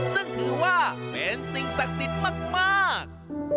ซึ่งถือว่าเป็นสิ่งศักดิ์สิทธิ์มาก